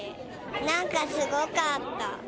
なんかすごかった。